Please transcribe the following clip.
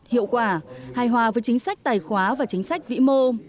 hiệu quả hài hòa với chính sách tài khoá và chính sách vĩ mô